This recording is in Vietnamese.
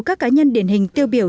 các cá nhân điển hình tiêu biểu